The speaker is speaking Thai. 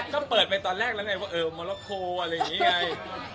ก็เปิดไปตอนแรกแล้วไงว่าเออมรโคอะไรอย่างนี้ไง